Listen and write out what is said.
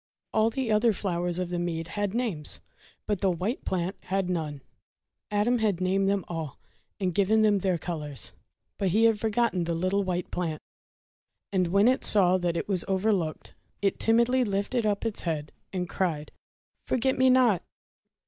All the other flowers of the mead had names, but the white plant had none. Adam had named them all, and given them their colours; but he had forgotten the little white plant. And when it saw that it was overlooked, it timidly lifted up its head, and cried :— "Forget me not!"